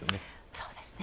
そうですね。